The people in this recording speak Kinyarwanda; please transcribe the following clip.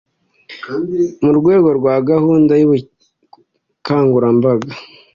mu rwego rwa gahunda y’ubukangurambaga.